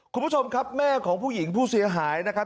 คุณผู้ชมครับแม่ของผู้หญิงผู้เสียหายนะครับ